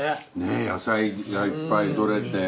野菜がいっぱいとれて。